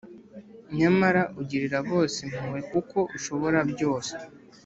Nyamara ugirira bose impuhwe kuko ushobora byose,